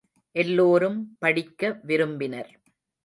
எல்லோரும் படிக்க விரும்பினர்.